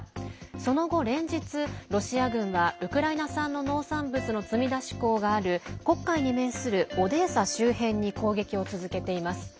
その後、連日、ロシア軍はウクライナ産の農産物の積み出し港がある黒海に面するオデーサ周辺に攻撃を続けています。